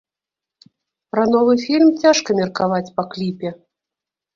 Пра новы фільм цяжка меркаваць па кліпе.